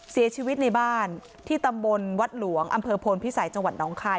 เสียชีวิตในบ้านที่ตำบลวัดหลวงอำเภอโพนพิสัยจังหวัดน้องคาย